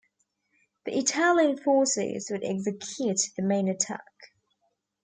The Italian forces would execute the main attack.